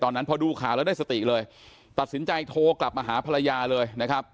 ตอนนั้นพอดูข่าวแล้วได้สติเลยตัดสินใจโทรกลับมาหาภรรยาเลยนะครับ